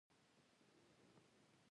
غلۍ باید د لمر نه وساتل شي.